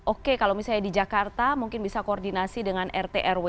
oke kalau misalnya di jakarta mungkin bisa koordinasi dengan rt rw